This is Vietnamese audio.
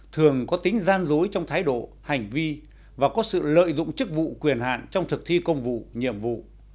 thường có tính gian dối trong thái độ hành vi và có sự lợi dụng chức vụ quyền hạn trong thực thi công vụ nhiệm vụ